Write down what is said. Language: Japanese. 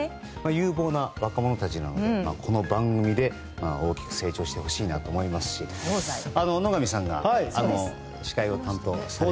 有望な若者たちなのでこの番組で大きく成長してほしいと思いますし野上さんが司会を担当されて。